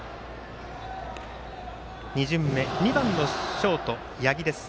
２巡目、２番のショート、八木。